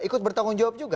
ikut bertanggung jawab juga